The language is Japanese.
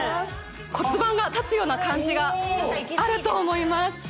骨盤が立つような感じがあると思います